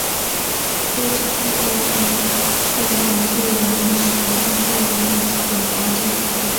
波吉亚寓所是梵蒂冈使徒宫内的一组房间。